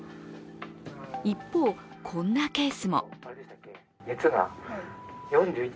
一方、こんなケースも。